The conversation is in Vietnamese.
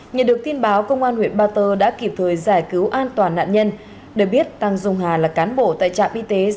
nhận được tin báo công an huyện ba tơ đã kịp thời giải cứu an toàn nạn nhân để biết tăng dung hà là cán bộ tại trạm y tế xã ba động huyện ba tơ